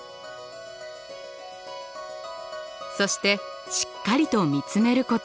そしてしっかりと見つめること。